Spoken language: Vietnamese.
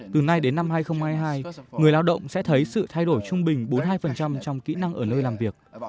từ nay đến năm hai nghìn hai mươi hai người lao động sẽ thấy sự thay đổi trung bình bốn mươi hai trong kỹ năng ở nơi làm việc